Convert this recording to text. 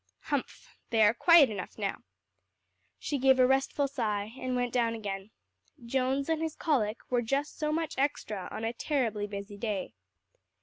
"Humph! they are quiet enough now." She gave a restful sigh, and went down again. Jones and his colic were just so much extra on a terribly busy day.